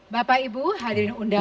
bapak ibu hadirin undang undang